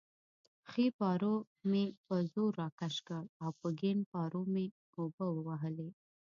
ښی پارو مې په زور راکش کړ او په کیڼ پارو مې اوبه ووهلې.